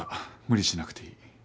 無理しなくていい。